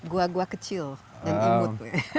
gua gua kecil dan imut